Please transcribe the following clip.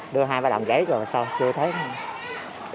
đưa hai ba lòng giấy rồi sao chưa thấy